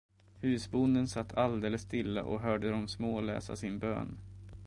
Husbonden satt alldeles stilla och hörde de små läsa sin bön.